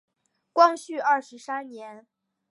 光绪二十三年。